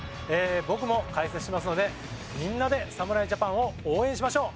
僕も解説しますのでみんなで侍ジャパンを応援しましょう。